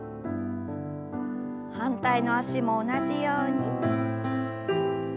反対の脚も同じように。